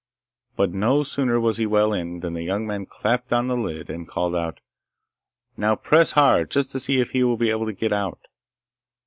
But no sooner was he well in, than the young man clapped on the lid and called out, 'Now press hard, just to see if he will be able to get out.